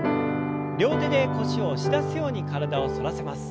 両手で腰を押し出すように体を反らせます。